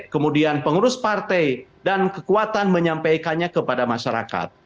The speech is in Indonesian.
kemudian pengurus partai dan kekuatan menyampaikannya kepada masyarakat